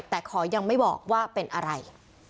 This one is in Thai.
แต่ขอยังไม่บอกว่าเป็นอะไร